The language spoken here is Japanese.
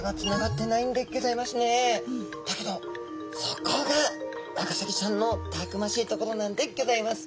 だけどそこがワカサギちゃんのたくましいところなんでギョざいます。